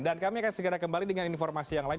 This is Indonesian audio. dan kami akan segera kembali dengan informasi yang lain